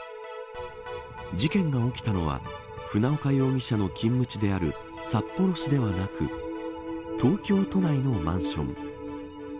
事件が起きたのは船岡容疑者の勤務地である札幌市ではなく東京都内のマンション。